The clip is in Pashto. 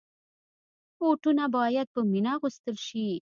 بوټونه باید په مینه اغوستل شي.